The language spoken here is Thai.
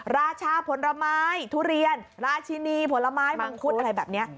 ราชาผลไม้ทุเรียนราชินีผลไม้มังคุดอะไรแบบนี้